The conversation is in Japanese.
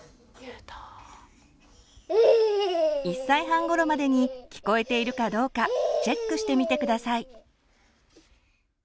１歳半ごろまでに聞こえているかどうかチェックしてみて下さい。